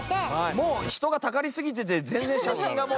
もう人がたかりすぎてて全然写真がもう。